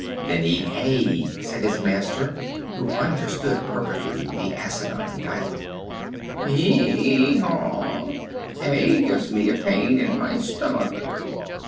"Then eat hay!" said his master, who understood perfectly the asinine dialect. "Hee haw! hay gives me a pain in my stomach."